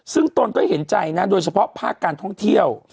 ซึ่งตนก็เห็นใจนะโดยเฉพาะภาคการท่องเที่ยว